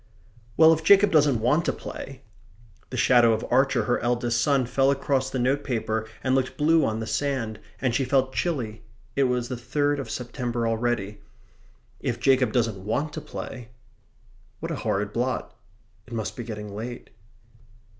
"Well, if Jacob doesn't want to play" (the shadow of Archer, her eldest son, fell across the notepaper and looked blue on the sand, and she felt chilly it was the third of September already), "if Jacob doesn't want to play" what a horrid blot! It must be getting late.